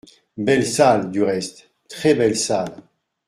Belle salle, du reste… très belle salle…